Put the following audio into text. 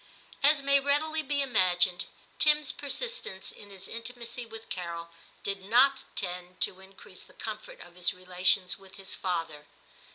As may readily be imagined, Tim's per sistence in his intimacy with Carol did not tend to increase the comfort of his relations with his father.